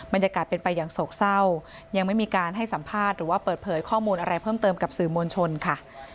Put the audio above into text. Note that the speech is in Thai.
บรรยากาศเป็นไปอย่างโศกเศร้ายังไม่มีการให้สัมภาษณ์หรือว่าเปิดเผยข้อมูลอะไรเพิ่มเติมกับสื่อมวลชนค่ะ